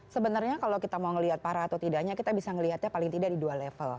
sebenarnya kalau kita mau melihat parah atau tidaknya kita bisa melihatnya paling tidak di dua level